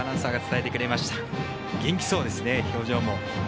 元気そうですね、表情も。